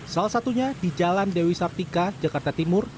salah satunya di jalan dewi sartika jakarta timur